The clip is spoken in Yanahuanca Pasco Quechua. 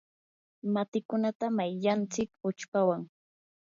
matikunata mayllantsik uchpawan.